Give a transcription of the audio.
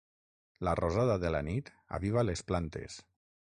La rosada de la nit aviva les plantes.